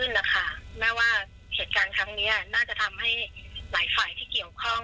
นะคะแม่ว่าเหตุการณ์ครั้งนี้น่าจะทำให้หลายฝ่ายที่เกี่ยวข้อง